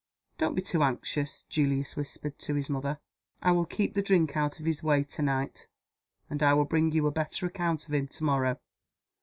"Don't be too anxious," Julius whispered to his mother. "I will keep the drink out of his way to night and I will bring you a better account of him to morrow.